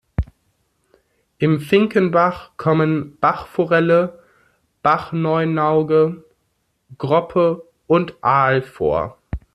Im Finkenbach kommen Bachforelle, Bachneunauge, Groppe und Aal vor.